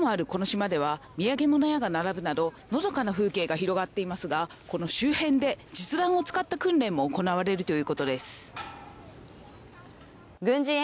観光地でもあるこの島では、土産物店が並ぶなど、のどかな風景が広がっていますが、周辺で実弾を使った訓練が行われるということです。